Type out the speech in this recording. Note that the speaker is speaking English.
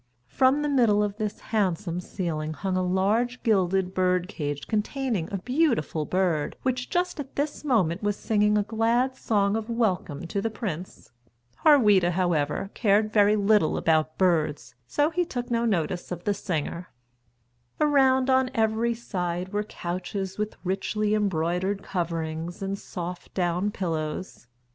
From the middle of this handsome ceiling hung a large gilded bird cage containing a beautiful bird, which just at this moment was singing a glad song of welcome to the prince. Harweda, however, cared very little about birds, so he took no notice of the singer. Around on every side were couches with richly embroidered coverings and soft down pillows.